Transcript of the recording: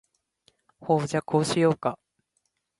ほーじゃ、こうしようか？